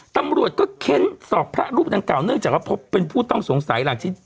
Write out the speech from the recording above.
ตำรวจก็เค้นสอบพระรูปดังกล่าเนื่องจากว่าพบเป็นผู้ต้องสงสัยหลักชิ้น